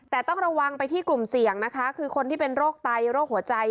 แต่ต้องระวังไปที่กลุ่มเสี่ยงนะคะคือคนที่เป็นโรคไตโรคหัวใจ